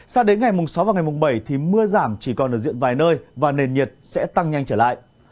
sao đến ngày mùng sáu và ngày mùng bảy thì mưa giảm chỉ còn ở diện vài nơi và nền nhiệt sẽ tăng nhanh trở lại